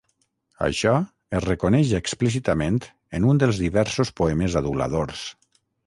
Això es reconeix explícitament en un dels diversos poemes aduladors.